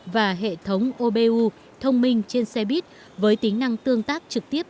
và hệ thống obu thông minh trên xe buýt với tính năng tương tác trực tiếp